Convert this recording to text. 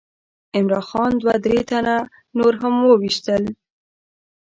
عمرا خان دوه درې تنه نور هم وویشتل.